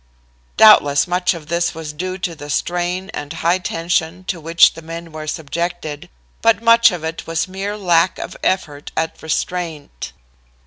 "Doubtless much of this was due to the strain and the high tension to which the men were subjected, but much of it was mere lack of effort at restraint.